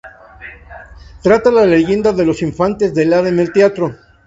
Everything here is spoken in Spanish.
Trata la leyenda de los Infantes de Lara en el teatro.